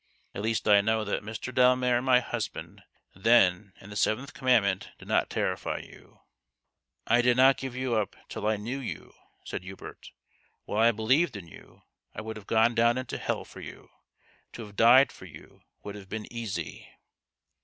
At least I know that Mr. Delmare my husband then and the seventh commandment did not terrify you !"" I did not give you up till I knew you," said Hubert. " While I believed in you I would have gone down into hell for you. To have died for you would have been easy."